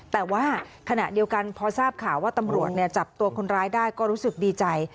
แต่ว่าขณะเดียวกันพอทราบข่าวว่าตำรวจจับตัวคนร้ายได้ก็รู้สึกดีใจ